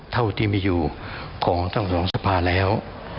เท่าที่มีอยู่ของทั้งสองสภาแล้ว